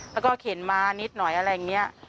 แล้วก็เข็นมานิดหน่อยอะไรอย่างนี้